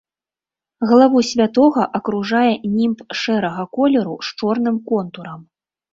Галаву святога акружае німб шэрага колеру з чорным контурам.